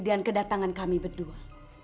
dengan kedatangan kami berdua